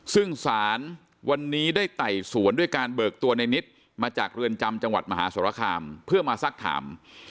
ซึ่งสารวันนี้ได้ไต่สวนด้วยการเบิกตัวในนิดมาจากเรือนจำจังหวัดมหาสรคามเพื่อมาสักถาม